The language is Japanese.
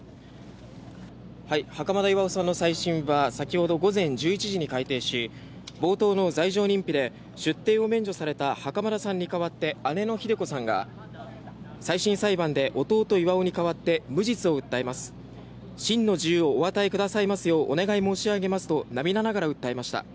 袴田巌さんの再審は先ほど午前１１時に開廷し冒頭の罪状認否で出廷を免除された袴田さんに代わって姉のひで子さんが再審裁判で弟・巌に代わって無実を訴えます真の自由をお与えくださいますようお願い申し上げますと涙ながら訴えました。